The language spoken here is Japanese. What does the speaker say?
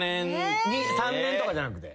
３年とかじゃなくて？